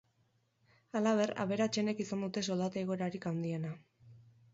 Halaber, aberatsenek izan dute soldata igoerarik handiena.